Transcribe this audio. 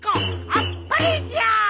あっぱれじゃ！